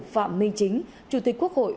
phạm minh chính chủ tịch quốc hội